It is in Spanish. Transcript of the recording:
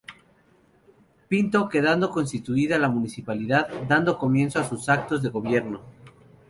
Pinto, quedando constituida la municipalidad, dando comienzo a sus actos de gobierno.